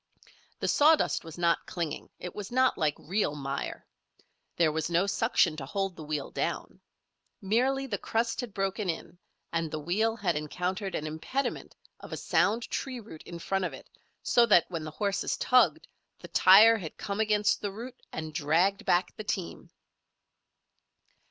The sawdust was not clinging, it was not like real mire. There was no suction to hold the wheel down. Merely the crust had broken in and the wheel had encountered an impediment of a sound tree root in front of it so that, when the horses tugged, the tire had come against the root and dragged back the team.